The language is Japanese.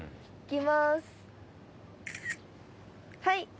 はい。